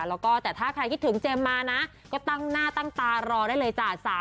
แล้วก็แต่ถ้าใครคิดถึงเจมส์มานะก็ตั้งหน้าตั้งตารอได้เลยจ้า